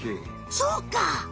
そうか！